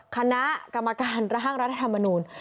คณะกรรมการร่างรัฐธรรมนูล